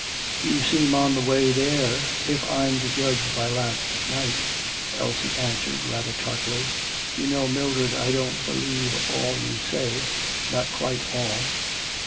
"' 'You seem on the way there, if I'm to judge by last night,' Elsie answered rather tartly. 'You know, Mildred, I don't believe all you say, not quite all.'